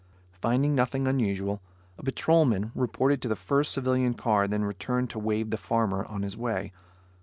Finding nothing unusual, a patrolman reported to the first civilian car then returned to wave the farmer on his way.